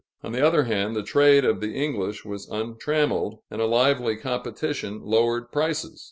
On the other hand, the trade of the English was untrammeled, and a lively competition lowered prices.